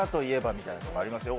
みたいなとこありますよ